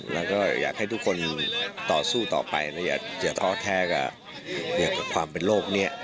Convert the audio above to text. แล้วก็อยากให้ทุกคนต่อสู้ต่อไปนะอย่าท้อแท้กับความเป็นโรคนี้